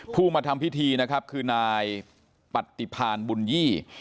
ผู้มาทำพิธีนะครับคือนายปฏิพานบุญยี่